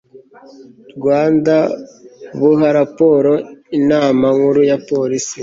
rwanda buha raporo inama nkuru ya polisi